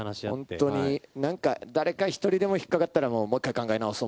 本当になんか、誰か１人でも引っかかったら、もう、もう一回考え直そう、